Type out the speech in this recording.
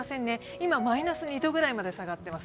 今マイナス２度ぐらいまで下がっています。